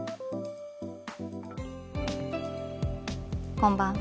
こんばんは。